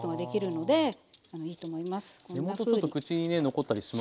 根元ちょっと口にね残ったりしますもんね。